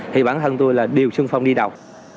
thì bản thân tôi là đều sưng phong đi đào